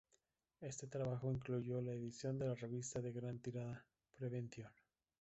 Ese trabajo incluyó la edición de la revista, de gran tirada, "Prevention".